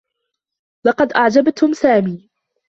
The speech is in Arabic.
لقد أعجبتم سامي.